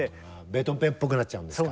ベートーベンっぽくなっちゃうんですか。